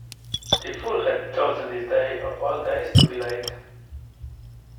The fool had chosen this day of all days to be late.